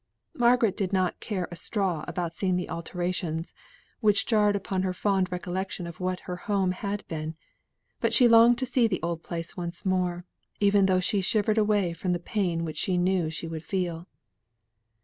Margaret did not care a straw about seeing the alterations, which jarred upon her fond recollection of what her home had been; but she longed to see the old place once more, even though she shivered away from the pain which she knew she should feel.